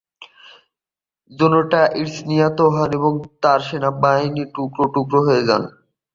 জেনোয়েটাস নিহত হন এবং তার সেনাবাহিনী টুকরো টুকরো হয়ে যায়।